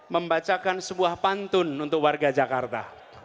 membacakan sebuah pantun untuk warga jakarta